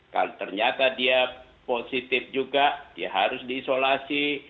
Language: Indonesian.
kalau ternyata dia positif juga ya harus diisolasi